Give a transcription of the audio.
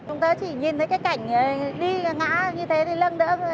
chúng ta chỉ nhìn thấy cái cảnh đi ngã như thế thì lưng đỡ